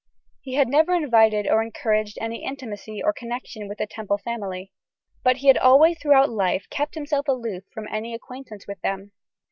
He had never invited or encouraged any intimacy or connection with the Temple family, but had always throughout life kept himself aloof from any acquaintance with them.